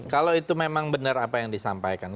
kalau itu memang benar apa yang disampaikan